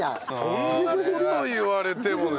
そんな事言われてもね。